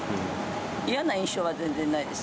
嫌な印象は全然ないです。